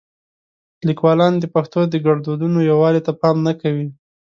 لیکوالان د پښتو د ګړدودونو یووالي ته پام نه کوي.